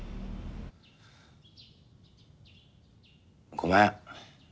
ごめん。